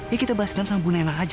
ya kita balas dendam sama bu nena aja